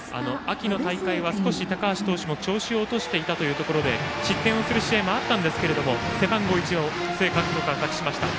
秋の大会は少し高橋投手も調子を落としていたというところで失点する試合もあったんですけれども背番号１を須江監督は託しました。